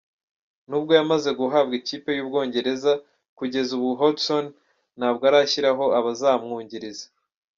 Nubwo yamaze guhabwa ikipe y’Ubwongereza, kugeza ubu Hodgson ntabwo arashyiraho abazamwungiriza.